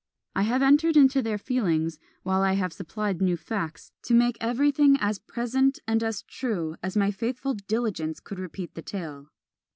I have entered into their feelings, while I have supplied new facts, to make everything as present and as true as my faithful diligence could repeat the tale.